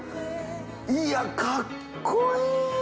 いやかっこいい！